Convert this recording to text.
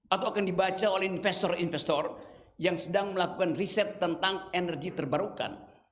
atau akan dibaca oleh investor investor yang sedang melakukan riset tentang energi terbarukan